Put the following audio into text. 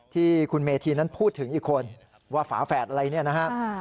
ที่คุณเมธีนั้นพูดถึงอีกคนว่าฝาแฝดอะไรเนี่ยนะฮะ